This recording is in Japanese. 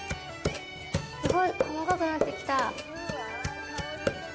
すごい細かくなってきた！